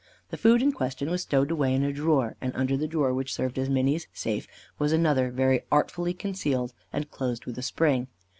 The food in question was stowed away in a drawer, and under the drawer which served as Minny's safe, was another, very artfully concealed, and closing with a spring.